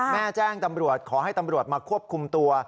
แจ้งตำรวจขอให้ตำรวจมาควบคุมตัว